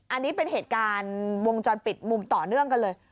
อันนี้เป็นเหตุการณ์วงจรปิดมุมต่อเนื่องกันเลย